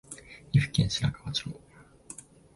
岐阜県白川町